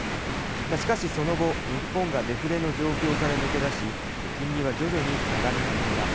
しかし、その後日本がデフレの状況から抜け出し金利は徐々に上がり始めます。